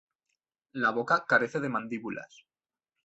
La boca carece de mandíbulas.